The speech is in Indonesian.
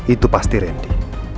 itu pasti randy